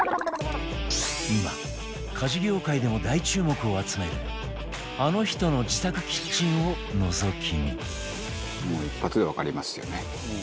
今家事業界でも大注目を集めるあの人の自宅キッチンをのぞき見